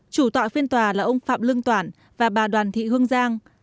chủ tọa phiên tòa là ông phạm lương toản và bà đoàn thị hương giang